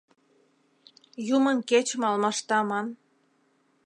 Юмын кечым алмашта ман